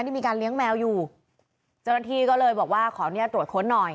มีการเลี้ยงแมวอยู่เจ้าหน้าที่ก็เลยบอกว่าขออนุญาตตรวจค้นหน่อย